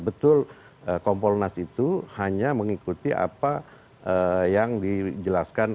betul kompolnas itu hanya mengikuti apa yang dijelaskan